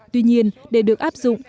tuy nhiên để được áp dụng